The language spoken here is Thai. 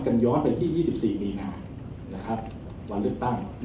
ย้อนไปที่๒๔มีนาวันเลือกตั้ง